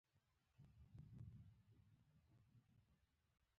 هغوی د حکمتیار د تخرګ خرېیل شوي وېښته دي.